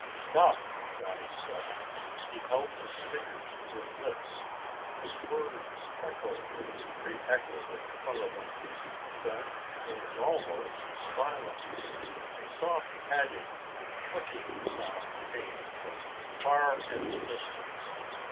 "Stop!" Johnny said. He held his fingers to his lips. His words echoed and re echoed in front of them. Then there was almost silence. A soft padding and clicking sound came from far in the distance.